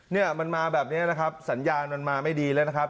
เนี่ยมันมาแบบนี้นะครับสัญญาณมันมาไม่ดีแล้วนะครับ